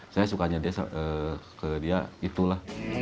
saya sukanya dia ke dia